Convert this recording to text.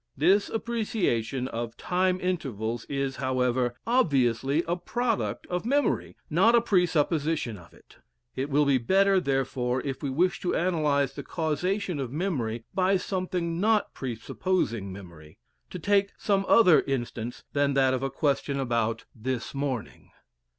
This appreciation of time intervals is, however, obviously a product of memory, not a presupposition of it. It will be better, therefore, if we wish to analyse the causation of memory by something not presupposing memory, to take some other instance than that of a question about "this morning."